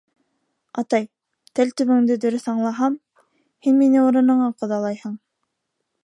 Атай, тел төбөңдө дөрөҫ аңлаһам, һин мине урыныңа ҡоҙалайһың...